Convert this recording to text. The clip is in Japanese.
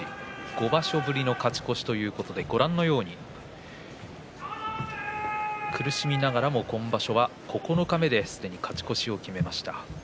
５場所ぶりの勝ち越しということで苦しみながらも今場所は九日目で勝ち越しを決めました。